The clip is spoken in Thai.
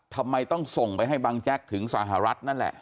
ทำไมต้องส่งไปให้บังแจ๊กถึงสหรัฐนั่นแหละ